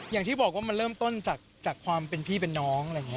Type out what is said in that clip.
อย่างที่บอกว่ามันเริ่มต้นจากความเป็นพี่เป็นน้อง